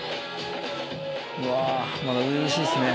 まだ初々しいっすね。